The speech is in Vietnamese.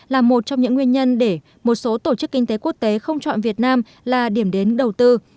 là một trong những nguyên nhân để một số tổ chức kinh tế quốc tế không chọn việt nam là điểm đến đầu tư